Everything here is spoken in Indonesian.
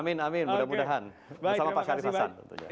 amin amin mudah mudahan bersama pak syarif hasan tentunya